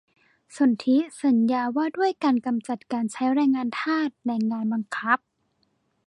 สนธิสัญญาว่าด้วยการกำจัดการใช้แรงงานทาส แรงงานบังคับ